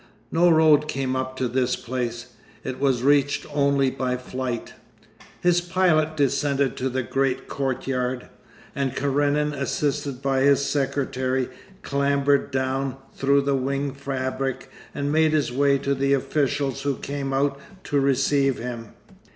No road came up to this place; it was reached only by flight. His pilot descended to the great courtyard, and Karenin assisted by his secretary clambered down through the wing fabric and made his way to the officials who came out to receive him.